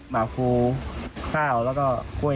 หมาฟูข้าวแล้วก็กล้วย